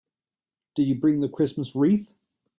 Did you bring the Christmas wreath?